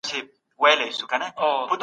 انسانیت ته خدمت وکړئ.